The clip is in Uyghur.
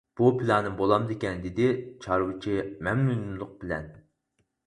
بۇ پىلانىم بولامدىكەن دېدى چارۋىچى مەمنۇنلۇق بىلەن.